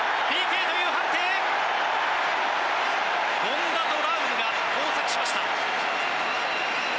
権田とラウムが交錯しました。